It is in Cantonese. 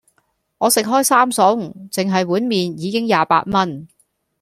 我食開三餸,淨係碗麵已經廿八蚊